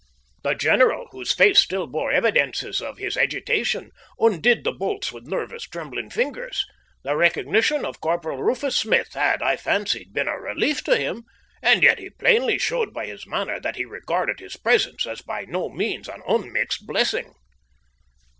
The general, whose face still bore evidences of his agitation, undid the bolts with nervous, trembling fingers. The recognition of Corporal Rufus Smith had, I fancied, been a relief to him, and yet he plainly showed by his manner that he regarded his presence as by no means an unmixed blessing.